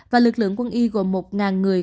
và lực lượng quân y gồm một người